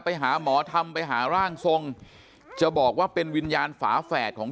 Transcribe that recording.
ไปหาหมอธรรมไปหาร่างทรงจะบอกว่าเป็นวิญญาณฝาแฝดของ